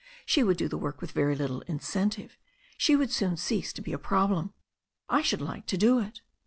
She would do the work with very little incentive, and she would soon cease to be a problem. I should like to do it."